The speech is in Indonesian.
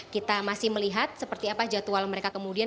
kita masih melihat seperti apa jadwal mereka kemudian